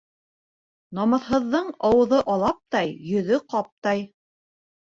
Намыҫһыҙҙың ауыҙы алаптай, йөҙө ҡаптай.